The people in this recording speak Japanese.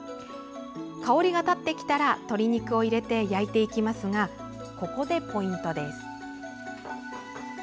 香りが立ってきたら鶏肉を入れて焼いていきますがここでポイントです。